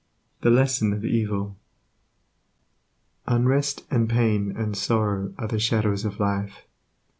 The lesson of evil Unrest and pain and sorrow are the shadows of life.